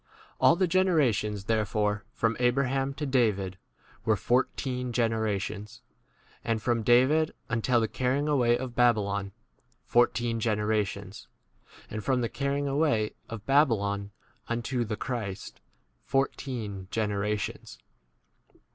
l ? All the generations, therefore, from Abraham to David [were] fourteen generations; and from David until the carrying away of Babylon, fourteen generations ; and from the carrying away of Babylon unto the Christ, fourteen generations.